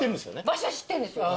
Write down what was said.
場所は知ってんですよ。